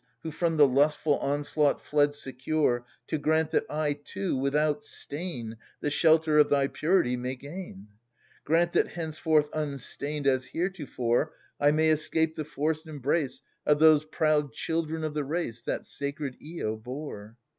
Who from the lustful onslaught fled secure, To grant that I too without stain The shelter of thy purity may gain ! Grant that henceforth unstained as heretofore I may escape the forced embrace 7 A Of those proud children of the race That sacred lo bore